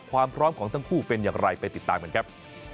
ความพร้อมของทั้งคู่เป็นอย่างไรไปติดตามกันครับ